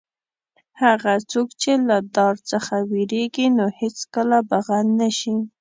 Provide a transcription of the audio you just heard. هغه څوک چې له دار څخه وېرېږي نو هېڅکله به غل نه شي.